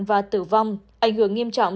và tử vong ảnh hưởng nghiêm trọng